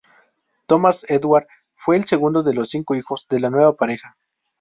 Thomas Edward fue el segundo de los cinco hijos de la nueva pareja.